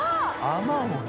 あまおうが。